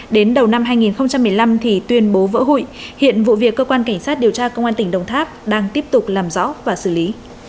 đến đầu năm hai nghìn một mươi năm thì tuyên bố vỡ hụi hiện vụ việc cơ quan cảnh sát điều tra công an tỉnh đồng tháp đang tiếp tục làm rõ và xử lý